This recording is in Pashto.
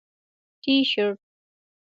👕 تیشرت